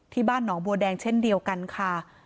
บ้านหนองบัวแดงเช่นเดียวกันค่ะ